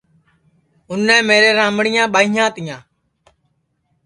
اِنے میرے رمڑیاں ٻائیاں تیا